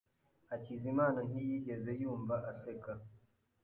Hakizimana ntiyigeze yumva aseka.